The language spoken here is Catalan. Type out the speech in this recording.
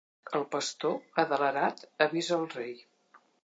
El pastor, adelerat, avisa al rei.